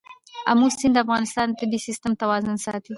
آمو سیند د افغانستان د طبعي سیسټم توازن ساتي.